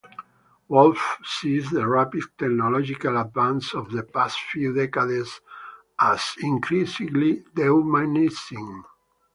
Wolf sees the rapid technological advances of the past few decades as increasingly dehumanizing.